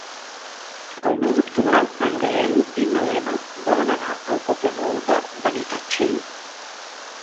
El nou d'octubre en Gaël i na Lena volen anar al Poble Nou de Benitatxell.